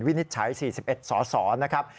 นิจฉัย๔๑สสนะครับ